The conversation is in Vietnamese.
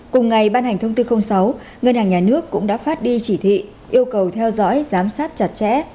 cùng ngày ban hành thông tư sáu ngân hàng nhà nước cũng đã phát đi chỉ thị yêu cầu theo dõi giám sát chặt chẽ